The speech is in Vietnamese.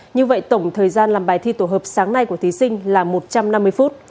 như vậy tổng thời gian làm bài thi tổ hợp sáng nay của thí sinh là một trăm năm mươi phút